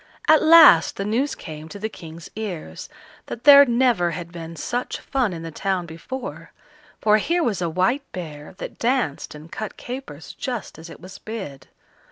At last the news came to the King's ears, that there never had been such fun in the town before, for here was a white bear that danced and cut capers just as it was bid.